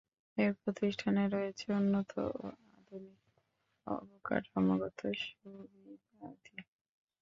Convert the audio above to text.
এ প্রতিষ্ঠানে রয়েছে উন্নত ও আধুনিক অবকাঠামোগত সুবিধাদি।